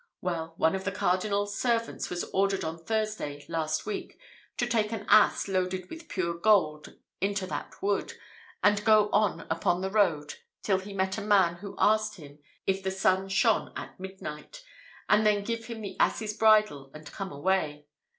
Well, one of the Cardinal's servants was ordered on Thursday, last week, to take an ass loaded with pure gold, into that wood, and go on upon the road till he met a man who asked him, 'If the sun shone at midnight?' and then give him the ass's bridle and come away.